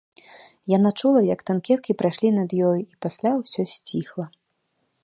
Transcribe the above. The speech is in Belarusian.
Яна чула, як танкеткі прайшлі над ёю і пасля ўсё сціхла.